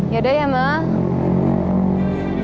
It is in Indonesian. yaudah ya mak